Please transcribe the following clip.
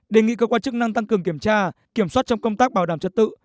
đề nghị cơ quan chức năng tăng cường kiểm tra kiểm soát trong công tác bảo đảm chất tự